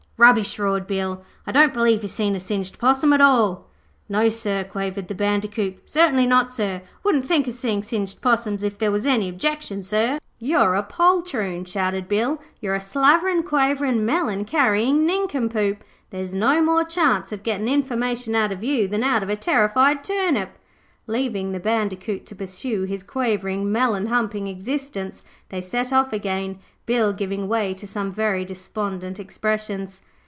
'Rubbish,' roared Bill. 'I don't believe he's seen a singed possum at all.' 'No, sir,' quavered the Bandicoot. 'Certainly not, sir. Wouldn't think of seeing singed possums if there was any objection, sir.' 'You're a poltroon,' shouted Bill. 'You're a slaverin', quaverin', melon carryin' nincompoop. There's no more chance of getting information out of you than out of a terrified Turnip.' Leaving the Bandicoot to pursue his quavering, melon humping existence, they set off again, Bill giving way to some very despondent expressions.